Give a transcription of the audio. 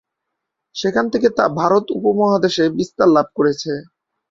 সেখান থেকে তা ভারত উপমহাদেশে বিস্তার লাভ করেছে।